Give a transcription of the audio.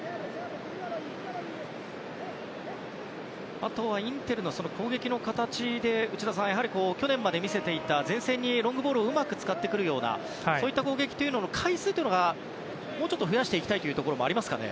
あとはインテルの攻撃の形で内田さん去年から見せていた前線にロングボールをうまく使ってくるようなそういった攻撃の回数というのをもうちょっと増やしていきたいというのもありますかね。